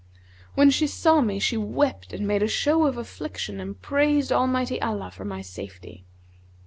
When she saw me she wept and made a show of affliction and praised Almighty Allah for my safety.